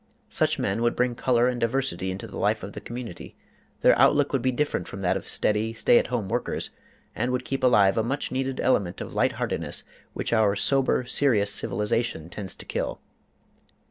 Such men would bring color and diversity into the life of the community; their outlook would be different from that of steady, stay at home workers, and would keep alive a much needed element of light heartedness which our sober, serious civilization tends to kill.